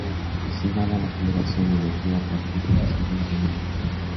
Destinada a la generación de energía a partir de las corrientes marinas.